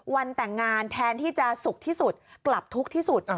วันแต่งงานแทนที่จะสุขที่สุดกลับทุกข์ที่สุด